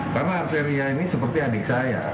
karena arteria ini seperti adik saya